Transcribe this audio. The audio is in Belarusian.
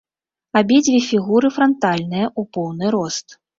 Абедзве фігуры франтальныя, у поўны рост.